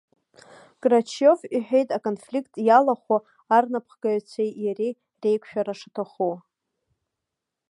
Грачиовиҳәеит аконфликт иалахәу арнапхгаҩцәеи иареи реиқәшәара шаҭаху.